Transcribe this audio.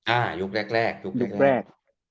อ่ายุคแรก